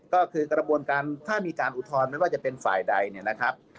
ก็คือกระบวนการถ้ามีการอุทธรณ์ไม่ว่าจะเป็นฝ่ายใดเนี่ยนะครับ